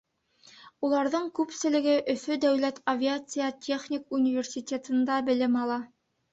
Уларҙың күпселеге Өфө дәүләт авиация техник университетында белем ала.